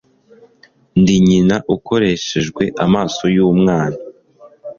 ndi nyina ukoreshejwe amaso yumwana